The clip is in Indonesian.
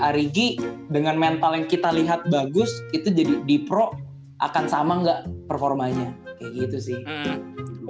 arigi dengan mental yang kita lihat bagus itu jadi di pro akan sama enggak performanya kayak gitu sih